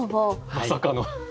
まさかの。